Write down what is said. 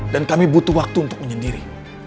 dan kami butuh waktu untuk menyendiri